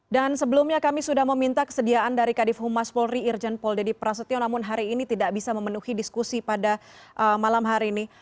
dan sebelumnya kami sudah meminta kesediaan dari kadif humas polri irjen polri dedy prasetyo namun hari ini tidak bisa memenuhi diskusi pada malam hari ini